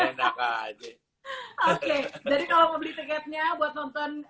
jadi kalau mau beli tiketnya buat nonton